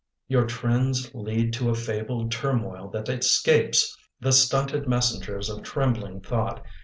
Your trends Lead to a fabled turmoil that escapes The stunted messengers of trembling thought.